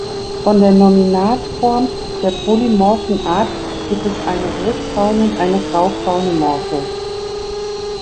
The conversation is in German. Von der Nominatform der polymorphen Art gibt es eine rotbraune und eine graubraune Morphe.